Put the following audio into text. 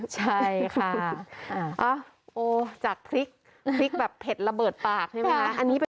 ใช่ค่ะโอ้จากพริกพริกแบบเผ็ดระเบิดปากใช่ไหมคะ